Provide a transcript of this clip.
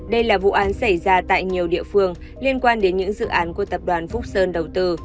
đây là vụ án xảy ra tại nhiều địa phương liên quan đến những dự án của tập đoàn phúc sơn đầu tư